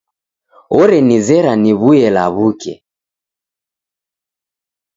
Orenizera niw'uye law'uke.